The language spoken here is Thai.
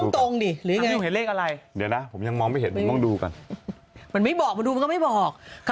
ก็ได้เห็นเรื่องเดี๋ยวนะผมยังมองไม่เห็นเห้นลูกกันมันไม่บอกไปดูไม่บอก